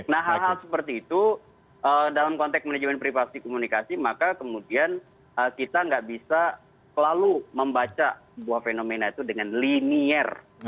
nah hal hal seperti itu dalam konteks manajemen privasi komunikasi maka kemudian kita nggak bisa selalu membaca buah fenomena itu dengan linier